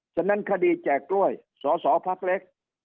ฉะนั้นคดีแจกกล้วยสอสอพักเล็ก